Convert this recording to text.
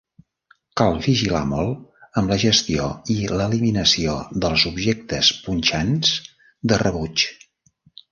Cal vigilar molt amb la gestió i l'eliminació dels objectes punxants de rebuig.